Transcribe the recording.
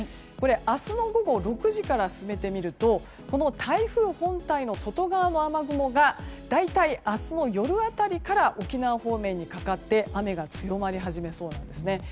明日の午後６時から進めてみると台風本体の外側の雨雲が大体、明日の夜辺りから沖縄方面にかかって雨が強まり始めそうなんです。